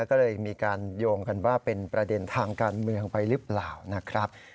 ก็เลยมีการโยงกันว่าเป็นประเด็นทางการเมืองไปหรือเปล่านะครับ